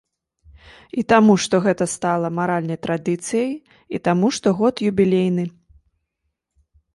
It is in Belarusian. І таму што гэта стала маральнай традыцыяй, і таму што год юбілейны.